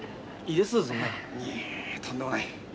いやとんでもない。